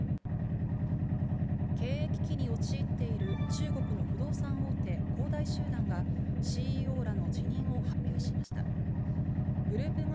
経営危機に陥っている中国の不動産大手、恒大集団が、ＣＥＯらの辞任を発表しました。